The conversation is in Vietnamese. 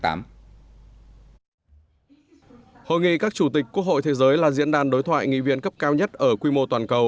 hội nghị các chủ tịch quốc hội thế giới là diễn đàn đối thoại nghị viện cấp cao nhất ở quy mô toàn cầu